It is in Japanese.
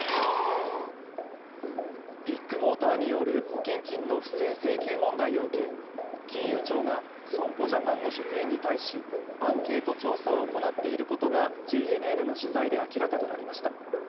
ビッグモーターによる保険金の不正請求問題を受け金融庁が損保ジャパンの職員に対しアンケート調査を行っていることがＪＮＮの取材で明らかとなりました。